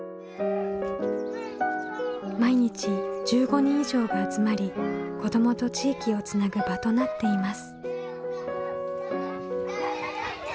毎日１５人以上が集まり子どもと地域をつなぐ場となっています。